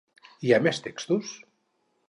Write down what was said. Hi ha més textos?